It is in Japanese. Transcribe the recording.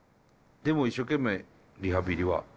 でも一生懸命リハビリは。